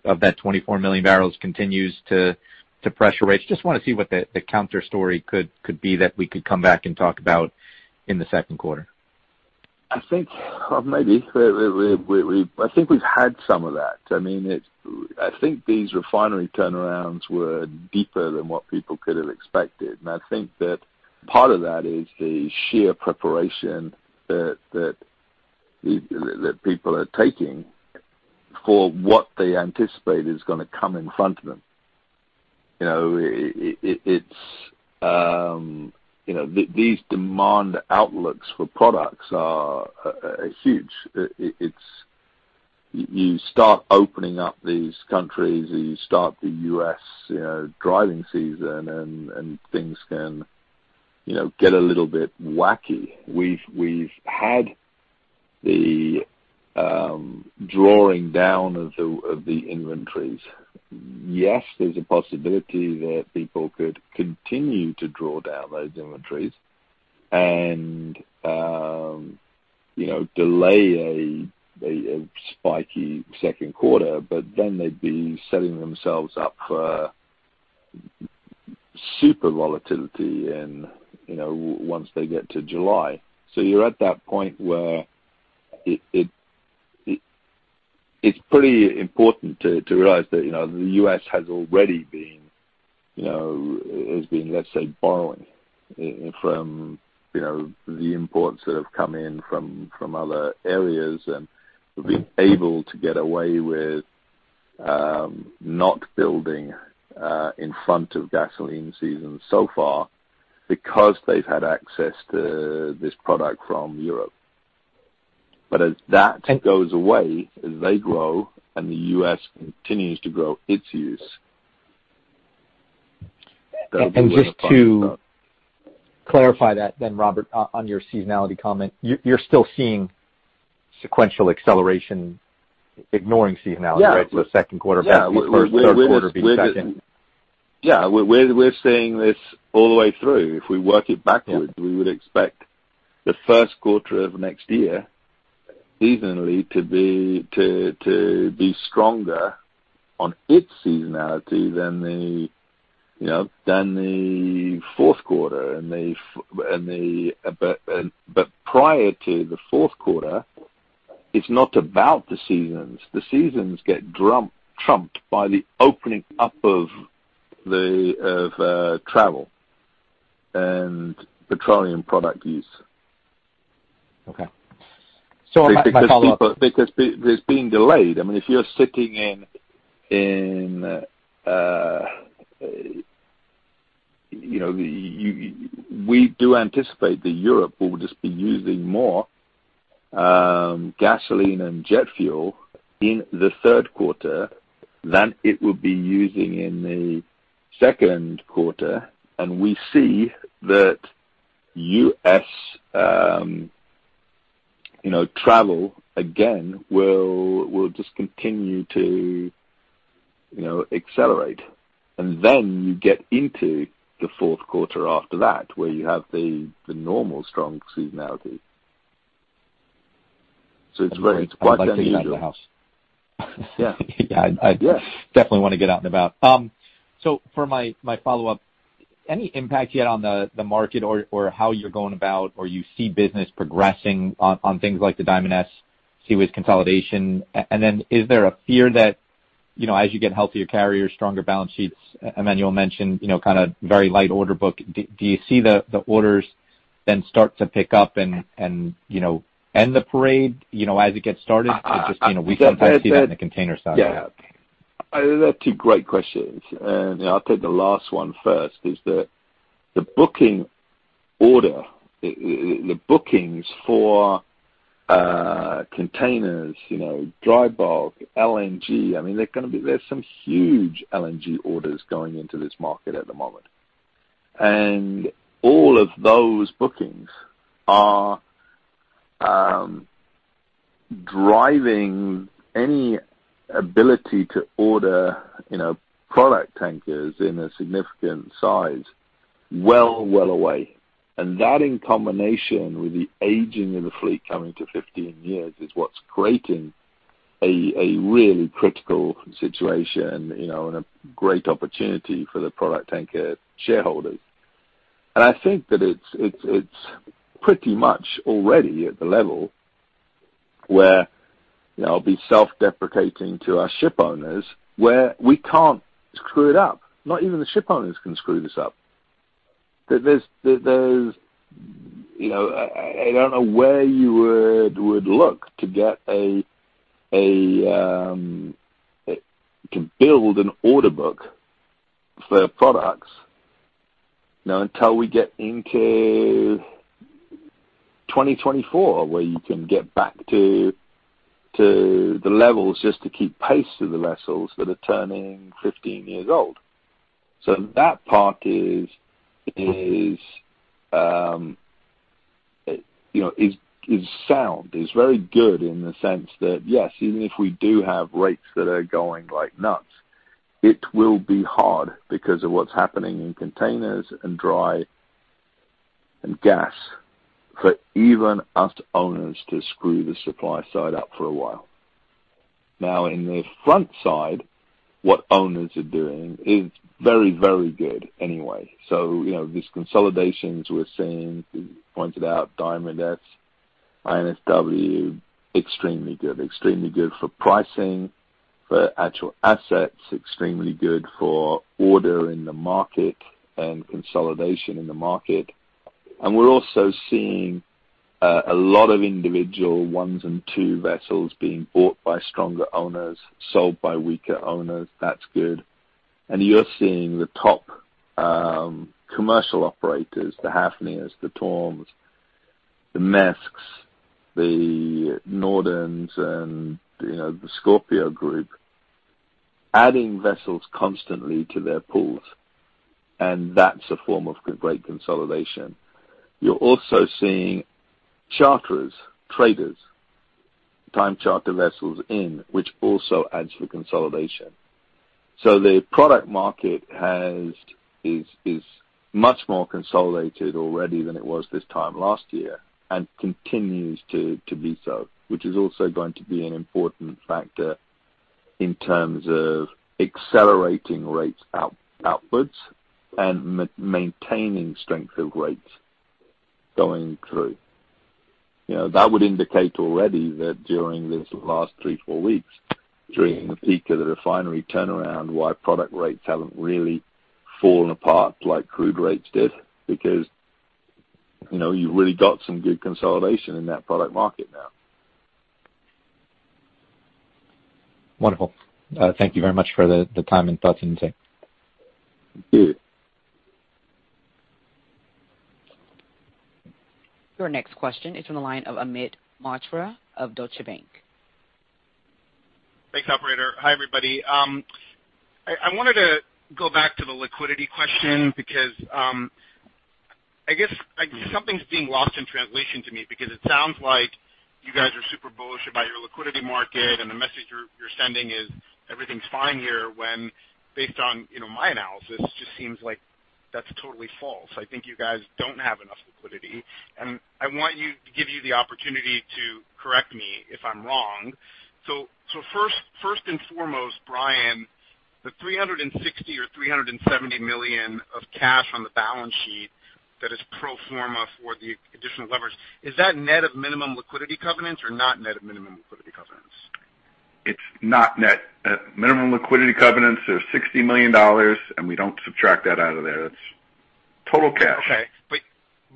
Speaker 10: of those 24 million barrels that continues to pressure rates? Just want to see what the counter-story could be that we could come back and talk about in the second quarter.
Speaker 4: I think maybe. I think we've had some of that. I think these refinery turnarounds were deeper than what people could have expected. I think that part of that is the sheer preparation that people are taking for what they anticipate is going to come in front of them. These demand outlooks for products are huge. You start opening up these countries, and you start the U.S. driving season, and things can get a little bit wacky. We've had the drawing down of the inventories. Yes, there's a possibility that people could continue to draw down those inventories and delay a spiky second quarter, but then they'd be setting themselves up for super volatility once they get to July. You're at that point where it's pretty important to realize that the U.S. has already been, let's say, borrowing from the imports that have come in from other areas and been able to get away with not building in front of gasoline season so far because they've had access to this product from Europe. As that goes away, as they grow and the U.S. continues to grow its use.
Speaker 10: Just to clarify that then, Robert, on your seasonality comment, you're still seeing sequential acceleration ignoring seasonality, right?
Speaker 4: Yeah.
Speaker 10: For the second quarter.
Speaker 4: Yeah.
Speaker 10: [inaudible]
Speaker 4: Yeah, we're seeing this all the way through. If we work it backwards.
Speaker 10: Yeah
Speaker 4: We would expect the first quarter of next year to be stronger in its seasonality than the fourth quarter. Prior to the fourth quarter, it's not about the seasons. The seasons get trumped by the opening up of travel and petroleum product use.
Speaker 10: Okay.
Speaker 4: Because it's been delayed. I mean, We do anticipate that Europe will just be using more gasoline and jet fuel in the third quarter than it will be using in the second quarter. We see that U.S. travel again will just continue to accelerate. You get into the fourth quarter after that, where you have the normal strong seasonality. It's very, it's quite unusual.
Speaker 10: I'd like to get out of the house.
Speaker 4: Yeah.
Speaker 10: Yeah, I definitely want to get out and about. For my follow-up, is there any impact yet on the market or how you're going about it, or do you see business progressing on things like the Diamond S, International Seaways consolidation, and then is there a fear that, as you get healthier carriers, stronger balance sheets, and Emanuele mentioned, kind of a very light order book, do you see the orders then start to pick up and end the parade as it gets started? It's just, we sometimes see that on the container side.
Speaker 4: Yeah. They're two great questions. I'll take the last one first: the booking order, the bookings for containers, dry bulk, and LNG. I mean, there are some huge LNG orders going into this market at the moment. All of those bookings are driving any ability to order product tankers in a significant size well away. That, in combination with the aging of the fleet coming to 15 years, is what's creating a really critical situation and a great opportunity for the product tanker shareholders. I think that it's pretty much already at the level where I'll be self-deprecating to our ship owners, where we can't screw it up. Not even the ship owners can screw this up. I don't know where you would look to build an order book for products until we get into 2024, when you can get back to the levels just to keep pace with the vessels that are turning 15 years old. That part is sound. Is very good in the sense that, yes, even if we do have rates that are going like nuts, it will be hard because of what's happening in containers and dry and gas for even us owners to screw the supply side up for a while. On the front side, what owners are doing is very good anyway. These consolidations we're seeing, you pointed out Diamond S and INSW, are extremely good. Extremely good for pricing, for actual assets, and extremely good for order in the market and consolidation in the market. We're also seeing a lot of individual one- and two-vessel purchases by stronger owners, sold by weaker owners. That's good. You're seeing the top commercial operators, the Hafnias, the Torms, the Maersks, the Nordens, and the Scorpio Group, adding vessels constantly to their pools. That's a form of great consolidation. You're also seeing charters, traders time charter vessels in, which also adds to consolidation. The product market is much more consolidated already than it was this time last year and continues to be so, which is also going to be an important factor in terms of accelerating rates outwards and maintaining strength of rates going through. That would already indicate that during these last three or four weeks, during the peak of the refinery turnaround, product rates haven't really fallen apart like crude rates did because you've really got some good consolidation in that product market now.
Speaker 10: Wonderful. Thank you very much for the time and thoughts and insight.
Speaker 4: Good.
Speaker 1: Your next question is from the line of Amit Mehrotra of Deutsche Bank.
Speaker 11: Thanks, operator. Hi, everybody. I wanted to go back to the liquidity question because I guess something's being lost in translation to me because it sounds like you guys are super bullish about your liquidity market, and the message you're sending is everything's fine here when based on my analysis, it just seems like that's totally false. I think you guys don't have enough liquidity, and I want to give you the opportunity to correct me if I'm wrong. First and foremost, Brian, the $360 million or $370 million of cash on the balance sheet that is pro forma for the additional leverage, is that net of minimum liquidity covenants or not net of minimum liquidity covenants?
Speaker 2: It's not net. Minimum liquidity covenants are $60 million, and we don't subtract that out of there. That's total cash.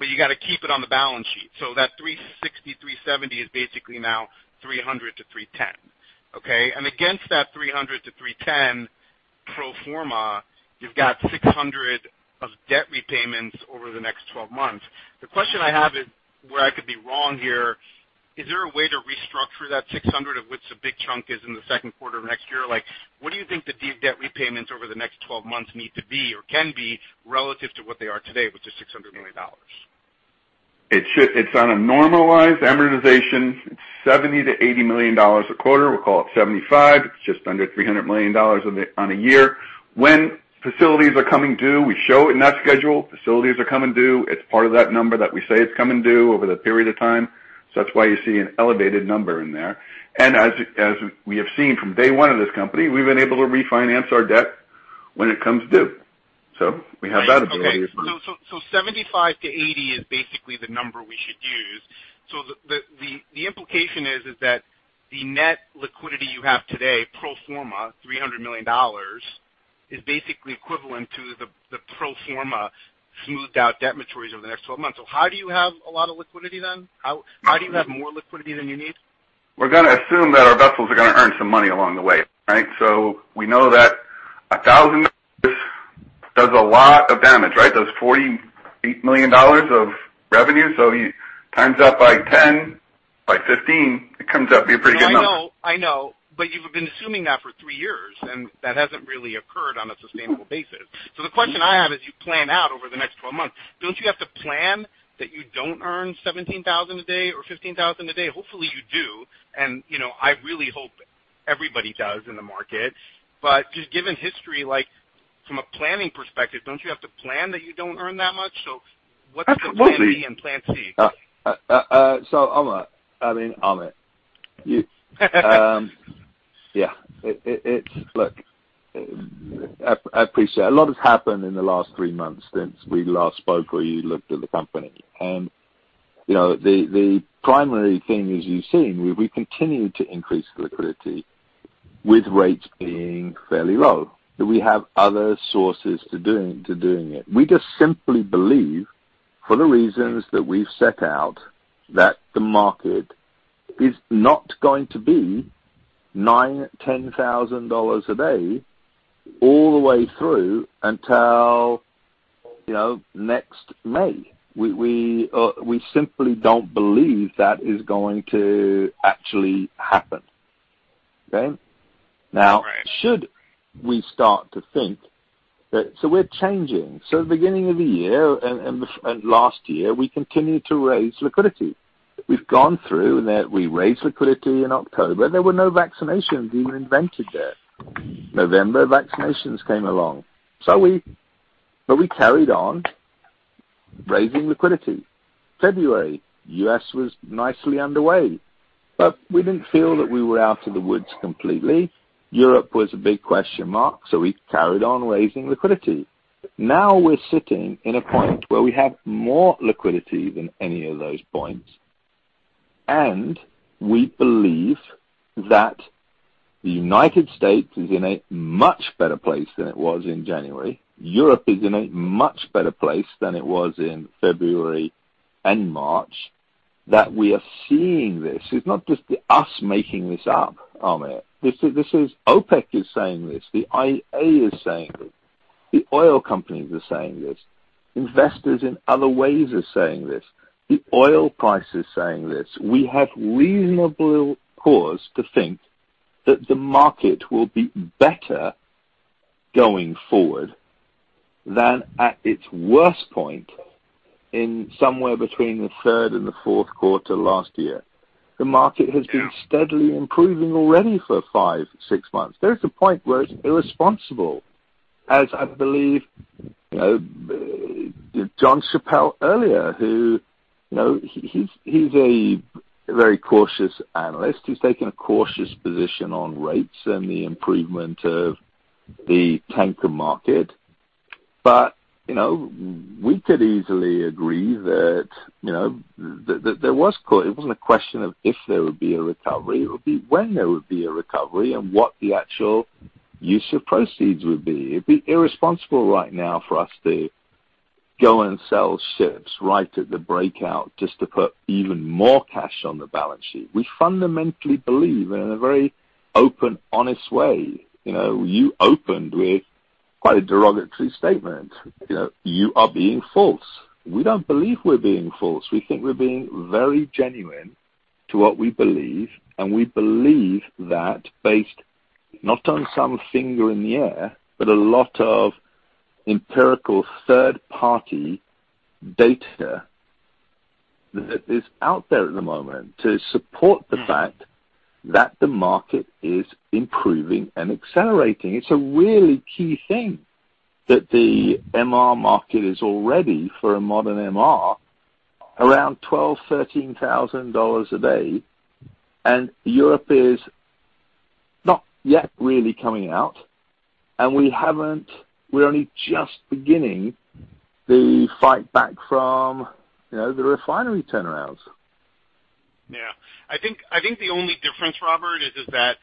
Speaker 11: You have to keep it on the balance sheet. That $360, $370 is basically now $300-$310. Against that $300-$310 pro forma, you've got $600 of debt repayments over the next 12 months. The question I have is, where I could be wrong here, is there a way to restructure that $600 of which a big chunk is in the second quarter of next year? What do you think the deep debt repayments over the next 12 months need to be or can be relative to what they are today, which is $600 million?
Speaker 2: It's on a normalized amortization. It's $70 million-$80 million a quarter. We'll call it $75. It's just under $300 million a year. When facilities are coming due, we show it in that schedule. Facilities are coming due. It's part of that number that we say is coming due over the period of time. That's why you see an elevated number in there. As we have seen from day one of this company, we've been able to refinance our debt when it comes due. We have that ability as well.
Speaker 11: $75-$80 is basically the number we should use. The implication is that the net liquidity you have today, pro forma, $300 million, is basically equivalent to the pro forma smoothed-out debt maturities over the next 12 months. How do you have a lot of liquidity then? How do you have more liquidity than you need?
Speaker 2: We're going to assume that our vessels are going to earn some money along the way, right? We know that 1,000 does a lot of damage, right? Those $48 million of revenue. You times that by 10, by 15, it comes up to be a pretty good number.
Speaker 11: I know, you've been assuming that for three years, and that hasn't really occurred on a sustainable basis. The question I have is, do you plan to over the next 12 months? Don't you have to plan that you don't earn $17,000 a day or $15,000 a day? Hopefully, you do. I really hope everybody does in the market. Just given history, from a planning perspective, don't you have to plan that you don't earn that much?
Speaker 2: Absolutely.
Speaker 11: Plan B and Plan C?
Speaker 4: Amit. Yeah. Look, I appreciate a lot has happened in the last three months since we last spoke or you looked at the company. The primary thing is you've seen we continue to increase liquidity with rates being fairly low, that we have other sources to do it. We just simply believe, for the reasons that we've set out, that the market is not going to be $9 thousand, $10 thousand a day all the way through until next May. We simply don't believe that is going to actually happen. Okay?
Speaker 11: Right.
Speaker 4: We're changing. At the beginning of the year and last year, we continued to raise liquidity. We've gone through, and we raised liquidity in October. There were no vaccinations even invented yet. In November, vaccinations came along. We carried on raising liquidity. In February, the U.S. was nicely underway, but we didn't feel that we were out of the woods completely. Europe was a big question mark. We carried on raising liquidity. We're sitting in a point where we have more liquidity than any of those points. We believe that the United States is in a much better place than it was in January. Europe is in a much better place than it was in February and March. That we are seeing this. It's not just us making this up, Amit. OPEC is saying this, the IEA is saying this, and the oil companies are saying this. Investors in other ways are saying this. The oil price is saying this. We have reasonable cause to think that the market will be better going forward than at its worst point somewhere between the third and the fourth quarters last year. The market has been steadily improving already for five or six months. There is a point where it's irresponsible, as I believe Jon Chappell earlier, who is a very cautious analyst, is taking a cautious position on rates and the improvement of the tanker market. We could easily agree that It wasn't a question of if there would be a recovery, it would be when there would be a recovery and what the actual use of proceeds would be. It'd be irresponsible right now for us to go and sell ships right at the breakout just to put even more cash on the balance sheet. We fundamentally believe in a very open, honest way. You opened with quite a derogatory statement. You are being false. We don't believe we're being false. We think we're being very genuine to what we believe, and we believe that based not on some finger in the air, but a lot of empirical third-party data that is out there at the moment to support the fact that the market is improving and accelerating. It's a really key thing that the MR market is all ready for a modern MR around $12,000, $13,000 a day, and Europe is not yet really coming out, and we're only just beginning the fight back from the refinery turnarounds.
Speaker 11: Yeah. I think the only difference, Robert, is that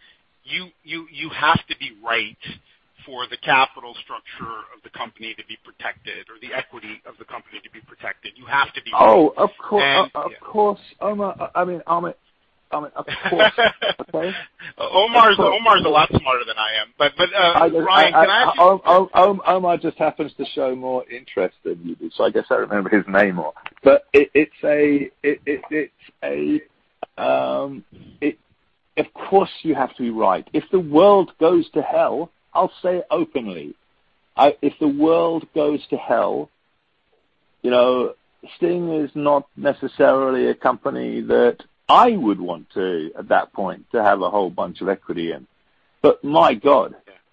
Speaker 11: you have to be right for the capital structure of the company to be protected or the equity of the company to be protected.
Speaker 4: Oh, of course, Omar. I mean, Amit, of course.
Speaker 11: Omar's a lot smarter than I am. Brian, can I ask you?
Speaker 4: Omar just happens to show more interest than you do. I guess I remember his name more. Of course, you have to be right. If the world goes to hell, I'll say it openly. If the world goes to hell, STNG is not necessarily a company that I would want to, at that point, have a whole bunch of equity in.
Speaker 11: Yeah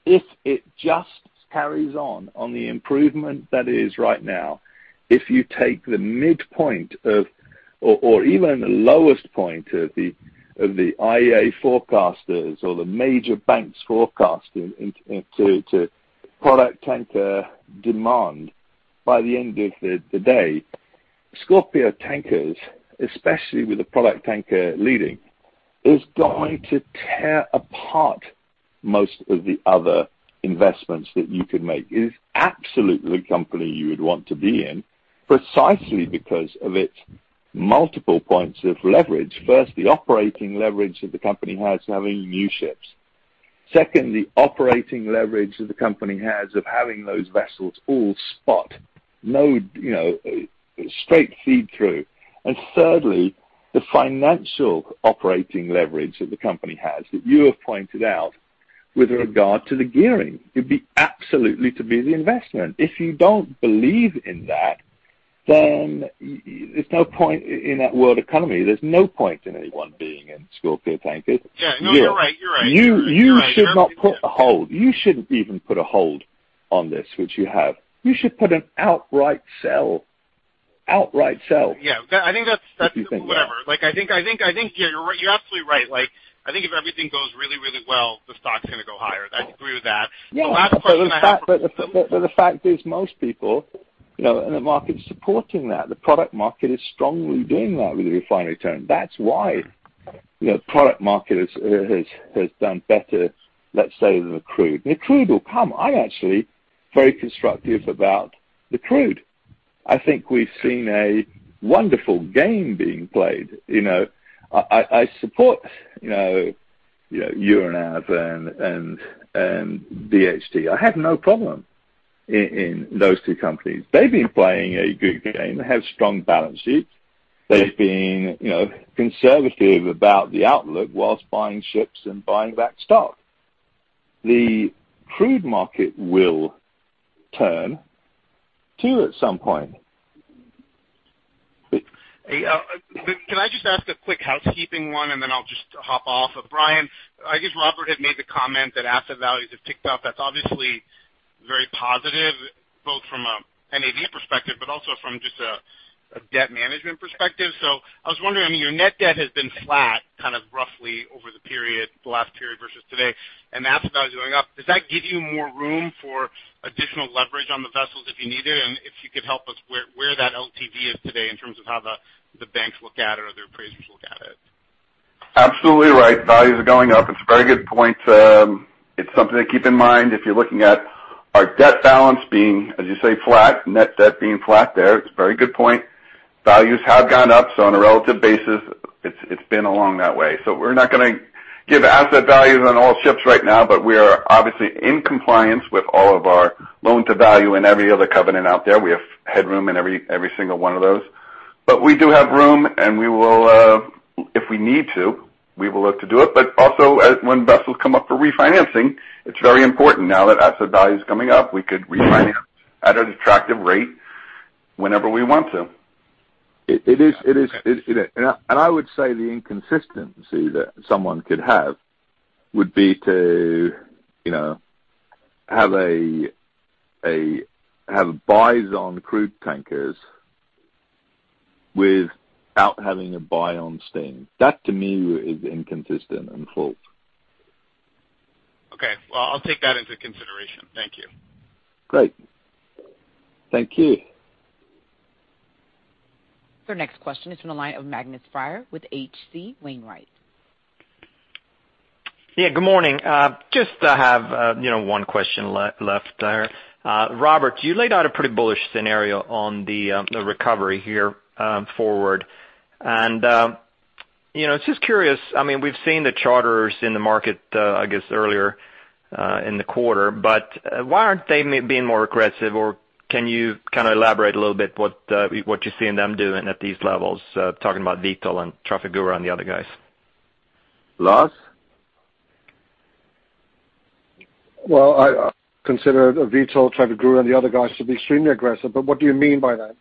Speaker 4: if it just carries on the improvement that is right now, if you take the midpoint of, or even the lowest point of, the IEA forecasters or the major banks forecasting into product tanker demand, by the end of the day, Scorpio Tankers, especially with the product tanker leading, is going to tear apart most of the other investments that you could make. It is absolutely the company you would want to be in precisely because of its multiple points of leverage. First, the operating leverage that the company has is having new ships. Second, the operating leverage that the company has of having those vessels all spot, straight feed through. Thirdly, the financial operating leverage that the company has, which you have pointed out with regard to the gearing. It'd be absolutely worth the investment. If you don't believe in that, there's no point in that world economy. There's no point in anyone being in Scorpio Tankers.
Speaker 11: Yeah. No, you're right.
Speaker 4: You should not put a hold. You shouldn't even put a hold on this, which you have. You should put in an outright sell.
Speaker 11: Yeah. I think that's.
Speaker 4: If you think that.
Speaker 11: whatever. I think you're absolutely right. I think if everything goes really, really well, the stock's going to go higher. I agree with that. The last question I have.
Speaker 4: The fact is, most people, and the market's supporting that. The product market is strongly doing that with the refinery turn. That's why the product market has done better, let's say, than the crude. The crude will come. I am actually very constructive about the crude. I think we've seen a wonderful game being played. I support Euronav and DHT. I have no problem with those two companies. They've been playing a good game and have strong balance sheets. They've been conservative about the outlook while buying ships and buying back stock. The crude market will turn too at some point.
Speaker 11: Can I just ask a quick housekeeping one, and then I'll just hop off? Brian, I guess Robert had made the comment that asset values have ticked up. That's obviously very positive, both from a NAV perspective and also from just a debt management perspective. I was wondering, your net debt has been flat, kind of roughly, over the last period versus today, and that's about to go up. Does that give you more room for additional leverage on the vessels if you need it? If you could help us with where that LTV is today in terms of how the banks look at it or the appraisers look at it.
Speaker 2: Absolutely right. Values are going up. It's a very good point. It's something to keep in mind if you're looking at our debt balance being, as you say, flat, net debt being flat there. It's a very good point. Values have gone up, so on a relative basis, it's been along that way. We're not going to give asset values on all ships right now, but we are obviously in compliance with all of our loan-to-value and every other covenant out there. We have headroom in every single one of those. We do have room, and if we need to, we will look to do it. When vessels come up for refinancing, it's very important now that asset value is coming up, we could refinance at an attractive rate whenever we want to.
Speaker 4: I would say the inconsistency that someone could have would be to have buys on crude tankers without having a buy on STNG. That, to me, is inconsistent and false.
Speaker 11: Okay. Well, I'll take that into consideration. Thank you.
Speaker 4: Great. Thank you.
Speaker 1: Your next question is from the line of Magnus Fyhr with H.C. Wainwright.
Speaker 12: Yeah, good morning. Just have one question left there. Robert, you laid out a pretty bullish scenario on the recovery here forward. Just curious, we've seen the charters in the market, I guess, earlier in the quarter, but why aren't they being more aggressive? Can you elaborate a little bit on what you're seeing them doing at these levels? Talking about Vitol and Trafigura and the other guys.
Speaker 4: Lars?
Speaker 5: Well, I consider Vitol, Trafigura, and the other guys to be extremely aggressive. What do you mean by that?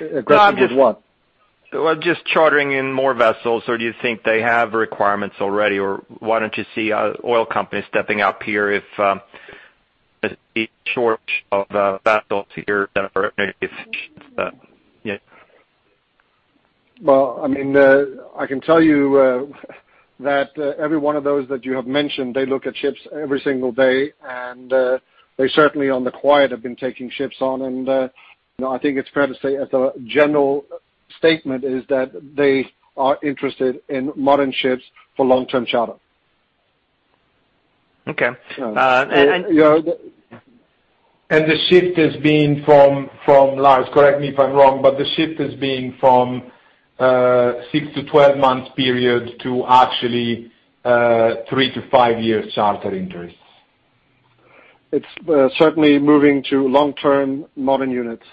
Speaker 5: Aggressive with what?
Speaker 12: Well, just chartering in more vessels, or do you think they have requirements already, or why don't you see oil companies stepping up here? [inaudible]
Speaker 5: I can tell you that every one of those that you have mentioned, they look at ships every single day, and they certainly, on the quiet, have been taking ships on. I think it's fair to say, as a general statement, that they are interested in modern ships for long-term charter.
Speaker 12: Okay.
Speaker 4: The shift is being from, Lars, correct me if I'm wrong, but the shift is being from a six- to 12 months period to actually three to five years charter interests.
Speaker 5: It's certainly moving to long-term modern units.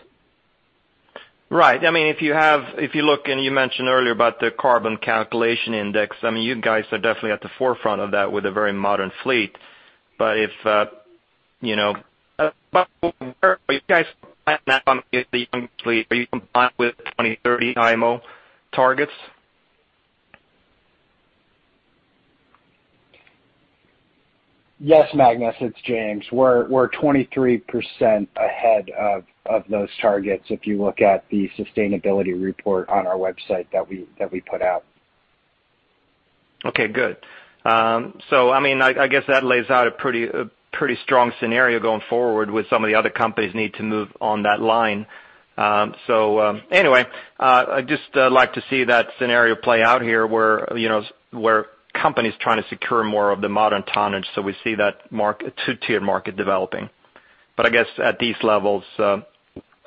Speaker 12: Right. If you look, you mentioned earlier about the Carbon Intensity Indicator, you guys are definitely at the forefront of that with a very modern fleet. Are you guys with 2030 IMO targets?
Speaker 13: Yes, Magnus, it's James. We're 23% ahead of those targets if you look at the sustainability report on our website that we put out.
Speaker 12: Okay, good. I guess that lays out a pretty strong scenario going forward with some of the other companies needing to move on that line. Anyway, I'd just like to see that scenario play out here where companies are trying to secure more of the modern tonnage, so we see that two-tier market developing. I guess at these levels,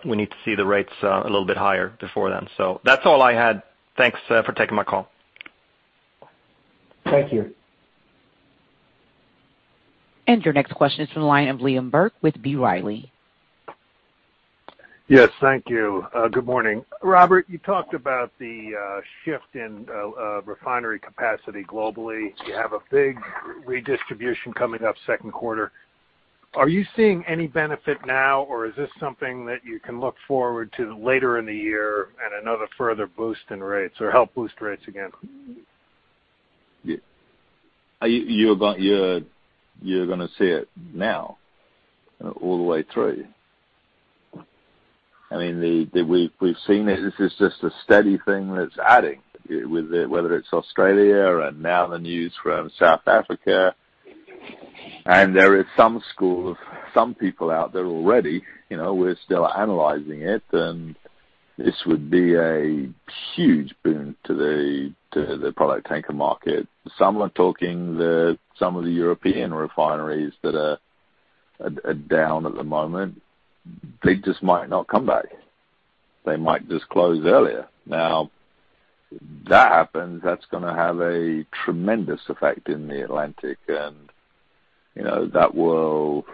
Speaker 12: we need to see the rates a little bit higher before then. That's all I had. Thanks for taking my call.
Speaker 5: Thank you.
Speaker 1: Your next question is from the line of Liam Burke with B. Riley.
Speaker 14: Yes. Thank you. Good morning. Robert, you talked about the shift in refinery capacity globally. You have a big redistribution coming up in the second quarter. Are you seeing any benefit now, or is this something that you can look forward to later in the year and another further boost in rates or help to boost rates again?
Speaker 4: You're going to see it now all the way through. We've seen this. This is just a steady thing that's adding, whether it's Australia or now the news from South Africa. There is some school of some people out there already. We're still analyzing it, and this would be a huge boon to the product tanker market. Some are talking that some of the European refineries that are down at the moment just might not come back. They might just close earlier. Now, that happens, and that's going to have a tremendous effect in the Atlantic, and that will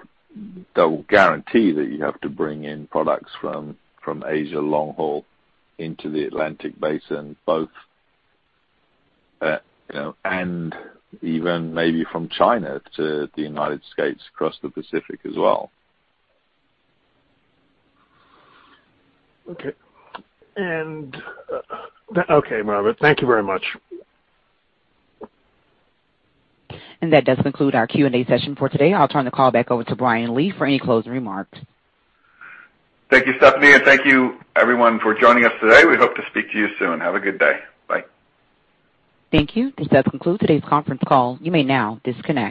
Speaker 4: guarantee that you have to bring in products from Asia long haul into the Atlantic Basin, and even maybe from China to the United States across the Pacific as well.
Speaker 14: Okay, Robert. Thank you very much.
Speaker 1: That does conclude our Q&A session for today. I'll turn the call back over to Brian Lee for any closing remarks.
Speaker 2: Thank you, Stephanie, and thank you, everyone, for joining us today. We hope to speak to you soon. Have a good day. Bye.
Speaker 1: Thank you. This does conclude today's conference call. You may now disconnect.